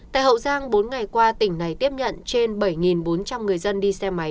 tại hậu giang bốn ngày qua tỉnh này tiếp nhận trên bảy bốn trăm linh người dân đi xe máy